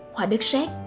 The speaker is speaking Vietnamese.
hoa đất xét